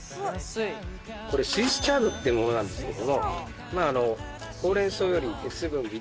これスイスチャードってものなんですけれども。